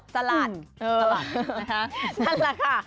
สลัดนะคะนั่นแหละค่ะ